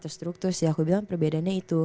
terstruktur sih aku bilang perbedaannya itu